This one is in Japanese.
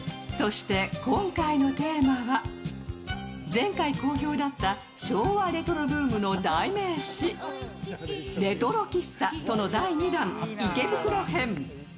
前回好評だった昭和レトロブームの代名詞、レトロ喫茶、その第２弾、池袋編。